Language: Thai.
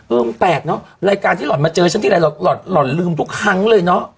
เอิ่มแตกเนอะรายการที่หล่อนมาเจอฉันที่ไหนหล่อหล่อหลืมทุกครั้งเลยเนอะ